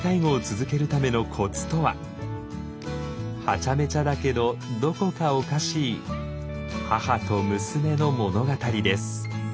ハチャメチャだけどどこかおかしい母と娘の物語です。